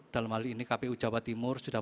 dalam hal ini kpu jawa timur sudah